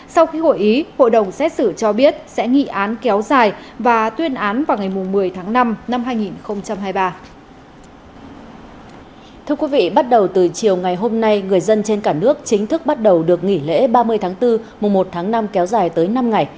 sau khi hội ý hội đồng xét xử cho biết sẽ nghị án kéo dài và tuyên án vào ngày một mươi tháng năm năm hai nghìn hai mươi ba